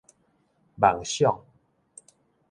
夢想